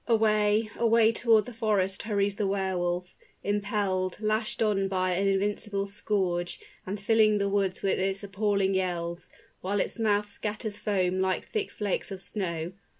Away away toward the forest hurries the Wehr Wolf impelled, lashed on by an invincible scourge, and filling the woods with its appalling yells while its mouth scatters foam like thick flakes of snow.